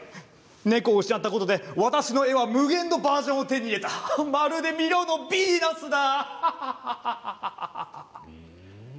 猫を失ったことで私の絵は無限のバージョンを手に入れたまるで「ミロのヴィーナス」だ。